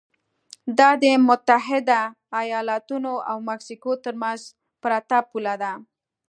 دا د متحده ایالتونو او مکسیکو ترمنځ پرته پوله ده.